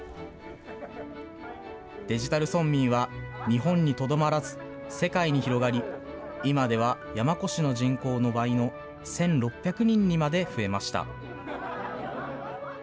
デジタル村民は、日本にとどまらず世界に広がり、今では山古志の人口の倍の１６００人にまで増えました。